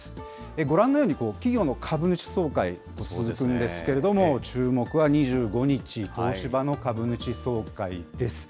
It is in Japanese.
ご覧のように、企業の株主総会、続くんですけれども、注目は２５日、東芝の株主総会です。